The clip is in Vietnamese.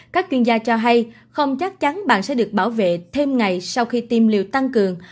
các chuyên gia cho hay không chắc chắn bạn sẽ được bảo vệ thêm ngày sau khi tiêm liều tăng cường